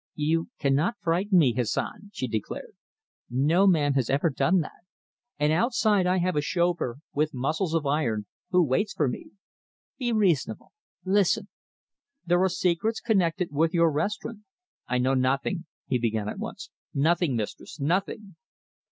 "You cannot frighten me, Hassan," she declared. "No man has ever done that. And outside I have a chauffeur with muscles of iron, who waits for me. Be reasonable. Listen. There are secrets connected with your restaurant." "I know nothing," he began at once; "nothing, mistress nothing!"